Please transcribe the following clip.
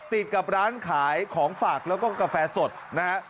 ติดกับร้านขายของฝากแล้วก็กาแฟสดนะฮะ